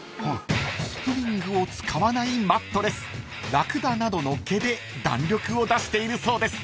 ［スプリングを使わないマットレスラクダなどの毛で弾力を出しているそうです］